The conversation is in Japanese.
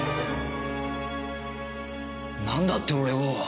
なんだって俺を？